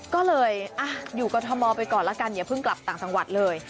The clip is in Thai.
ก็เลยอยู่กรทมไปก่อนละกันอย่าเพิ่งกลับต่างจังหวัดเลย